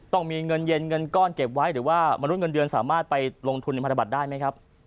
ต้องมีเงินเย็นเงินก้อนเก็บไว้หรือว่ามนุษย์เงินเดือนสามารถไปลงทุนในพันธบัตรได้ไหมครับ